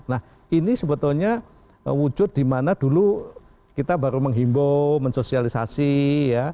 nah ini sebetulnya wujud di mana dulu kita baru menghimbau mensosialisasi ya